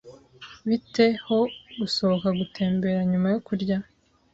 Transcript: Bite ho gusohoka gutembera nyuma yo kurya?